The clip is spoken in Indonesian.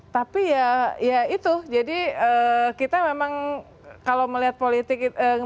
tapi ya ya itu jadi kita memang kalau melihat politik